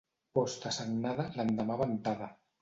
Posta sagnada, l'endemà ventada.